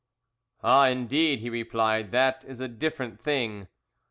"'Ah, indeed,' he replied, 'that is a different thing.'